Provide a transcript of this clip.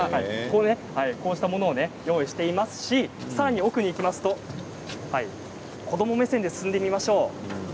こうしたものを用意していますしさらに奥に行きますと子ども目線で進んでみましょう。